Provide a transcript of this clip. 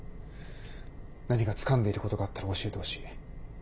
何かつかんでいることがあったら教えてほしい。